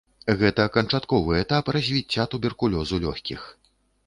Гэта канчатковы этап развіцця туберкулёзу лёгкіх.